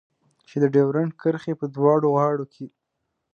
چې د ډيورنډ کرښې په دواړو غاړو کې.